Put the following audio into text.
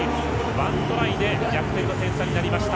１トライで逆転の点差になりました。